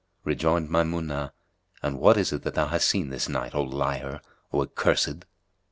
Rejoined Maymunah, "And what is it thou hast seen this night, O liar, O accursed!